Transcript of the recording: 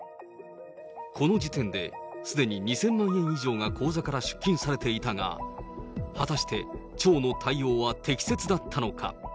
この時点で、すでに２０００万円以上が口座から出金されていたが、果たして、町の対応は適切だったのか。